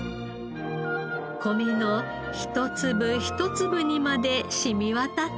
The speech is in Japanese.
米の一粒一粒にまで染み渡っています。